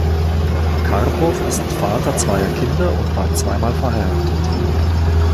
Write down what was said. Karpow ist Vater zweier Kinder und war zwei Mal verheiratet.